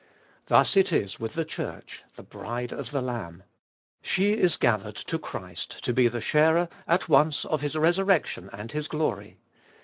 Thus it is with the Church, the bride of the Lamb. She is gathered to Christ to be the sharer, at once, of his rejection and his glory.